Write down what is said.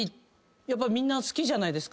やっぱみんな好きじゃない。